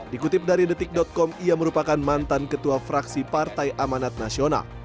dikutip dari detik com ia merupakan mantan ketua fraksi partai amanat nasional